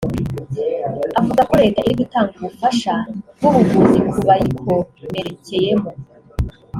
avuga ko Leta iri gutanga ubufasha bw’ubuvuzi ku bayikomerekeyemo